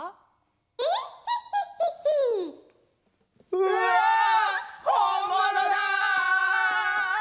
うわほんものだ！